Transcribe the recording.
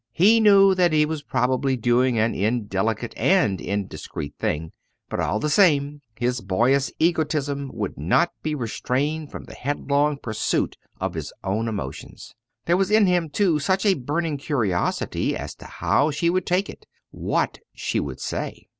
He knew that he was probably doing an indelicate and indiscreet thing, but all the same his boyish egotism would not be restrained from the headlong pursuit of his own emotions. There was in him too such a burning curiosity as to how she would take it what she would say.